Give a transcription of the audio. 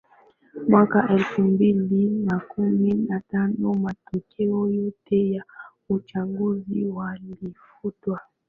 Mwaka elfu mbili na kumi na tano matokeo yote ya uchaguzi yalifutwa